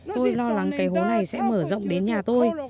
tôi lo lắng cái hố này sẽ mở rộng đến nhà tôi